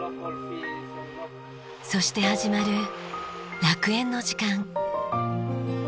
そして始まる楽園の時間。